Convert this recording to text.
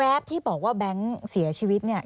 ที่บอกว่าแบงค์เสียชีวิตเนี่ย